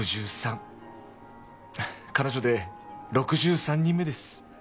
彼女で６３人目です